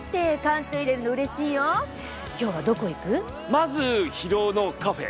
まず広尾のカフェ。